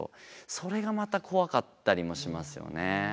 それがまた怖かったりもしますよね。